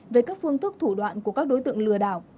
về các phương thức thủ đoạn của các đối tượng lừa đảo